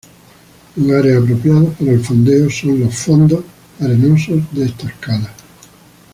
Lugares apropiados para el fondeo son los fondos arenosos de estas calas.